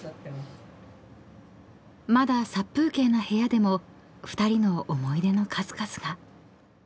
［まだ殺風景な部屋でも２人の思い出の数々が］